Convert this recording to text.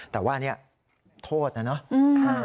แต่ว่านี่โทษนะ